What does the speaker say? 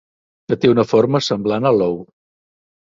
Que té una forma semblant a l'ou.